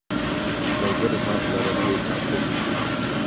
لوګر زما پلرنی ټاټوبی ده